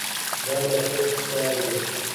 دا ماشوم کیسه اوري.